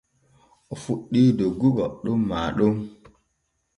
O fuɗɗi doggugo ɗon maa ɗon.